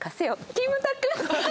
キムタク！